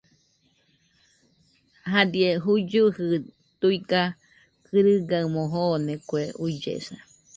Jadie juillɨji tuiga kɨrɨgaɨmo joone kue ullesa.